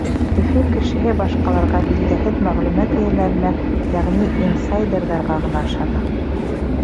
Өфө кешеһе башҡаларға билдәһеҙ мәғлүмәт эйәләренә, йәғни инсайдерҙарға ғына ышана.